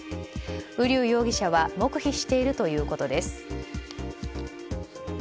瓜生容疑者は黙秘しているということです。